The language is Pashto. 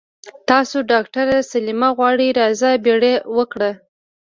تاسو ډاکټره سليمه غواړي راځه بيړه وکړه.